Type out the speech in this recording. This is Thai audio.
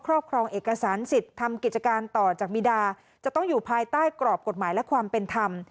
รอบครองเอกสารสิทธิ์ทำกิจการต่อจากบีดาจะต้องอยู่ภายใต้กรอบกฎหมายและความเป็นธรรม